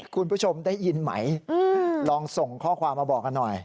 คุณผู้ชมได้ยินไหมลองส่งข้อความมาบอกกันหน่อย